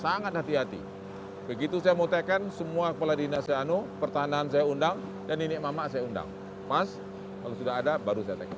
sangat hati hati begitu saya mau tekan semua kepala dinas saya anu pertahanan saya undang dan inik mamak saya undang pas kalau sudah ada baru saya tekan